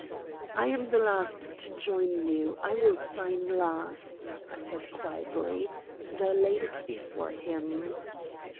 "I am the last to join you, I will sign last," I said quietly, and I laid it before him.